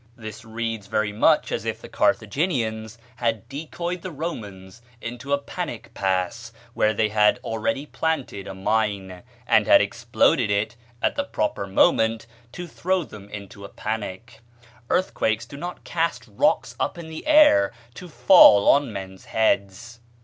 This reads very much as if the Carthaginians had decoyed the Romans into a pass where they had already planted a mine, and had exploded it at the proper moment to throw them into a panic. Earthquakes do not cast rocks up in the air to fall on men's heads!